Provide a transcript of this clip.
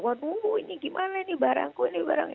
waduh ini gimana ini barangku ini barang